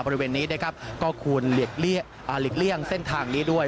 บริเวณนี้นะครับก็ควรหลีกเลี่ยงเส้นทางนี้ด้วย